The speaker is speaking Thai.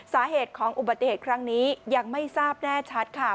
สาเหตุของอุบัติเหตุครั้งนี้ยังไม่ทราบแน่ชัดค่ะ